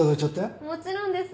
もちろんです。